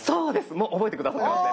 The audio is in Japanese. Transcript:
もう覚えて下さってますね。